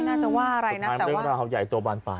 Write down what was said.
สุดท้ายสุดท้ายมันเด้งกับเขาใหญ่ตัวบ้านฝ่า